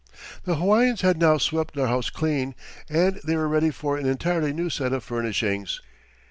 The Hawaiians had now swept their house clean, and they were ready for an entirely new set of furnishings.